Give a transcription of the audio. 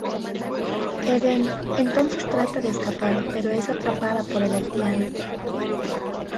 Eden entonces trata de escapar pero es atrapada por el haitiano.